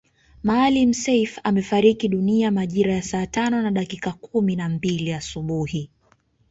Maalim Seif amefariki dunia majira ya saa tano na dakika kumi na mbili asubuhi